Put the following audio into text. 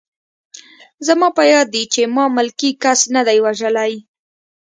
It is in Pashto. زما په یاد دي چې ما ملکي کس نه دی وژلی